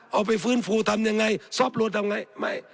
เอาไปฝืนฟูทำยังไงซอบรวดทำไงไม่